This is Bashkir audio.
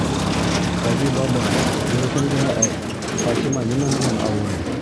— Хадибаба, дөрөҫөн генә әйт, Фатима нимә менән ауырый?